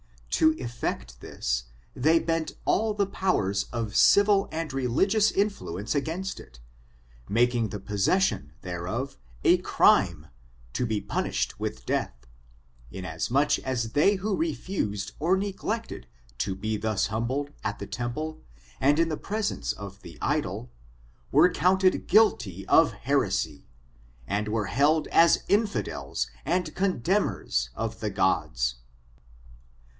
To effect this, they bent all the powers of civil and religious influence against it, making the possession thereof a crimej to be punish ed with death, inasmuch as they who refused or neg lected to be thus humbled, at the temple, and in the presence of the idol, were counted guilty of Aer esy, and were held as infidels and contemners of the gods.